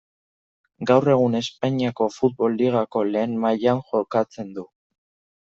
Gaur egun Espainiako futbol ligako lehen mailan jokatzen du.